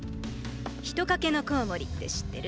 ヒトカケノコウモリって知ってる？